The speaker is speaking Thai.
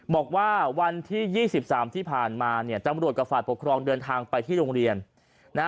บอกว่าวันที่๒๓ที่ผ่านมาจำลวดกฟาดปกครองเดินทางไปที่โรงเรียน